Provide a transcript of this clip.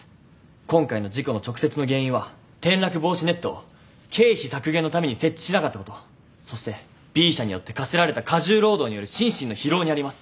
今回の事故の直接の原因は転落防止ネットを経費削減のために設置しなかったことそしてＢ社によって課せられた過重労働による心身の疲労にあります。